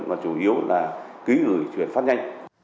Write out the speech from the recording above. và chủ yếu là ký gửi chuyển phát nhanh